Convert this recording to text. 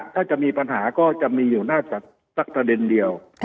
ถ้าจะมีปัญหาก็จะมีอยู่น่าจะสักประเด็นเดียว